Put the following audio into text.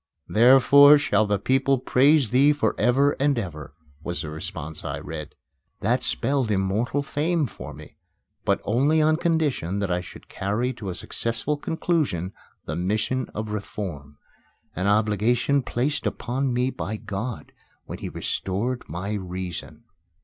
"Therefore shall the people praise thee for ever and ever," was the response I read. That spelled immortal fame for me, but only on condition that I should carry to a successful conclusion the mission of reform an obligation placed upon me by God when He restored my reason.